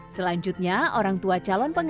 selanjutnya orang tua calon pengantin